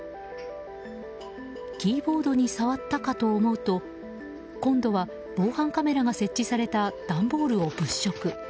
キーボードに触ったかと思うと今度は防犯カメラが設置された段ボールを物色。